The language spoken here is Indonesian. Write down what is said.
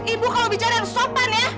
ibu kalau bicara sopan ya